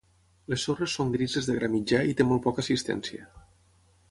Les sorres són grises de gra mitjà i té molt poca assistència.